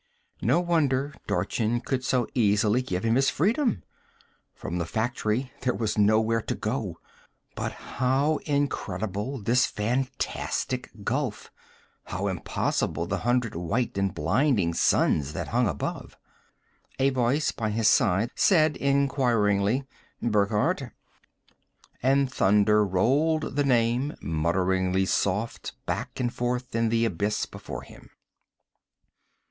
No wonder Dorchin could so easily give him his freedom! From the factory, there was nowhere to go but how incredible this fantastic gulf, how impossible the hundred white and blinding suns that hung above! A voice by his side said inquiringly, "Burckhardt?" And thunder rolled the name, mutteringly soft, back and forth in the abyss before him.